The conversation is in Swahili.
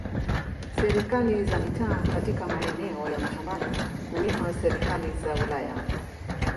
Serikali za mitaa katika maeneo ya mashambani huitwa serikali za wilaya.